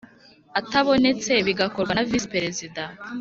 atabonetse bigakorwa na Visi Perezida